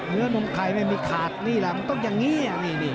นมไข่ไม่มีขาดนี่แหละมันต้องอย่างนี้